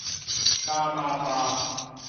กาบามบา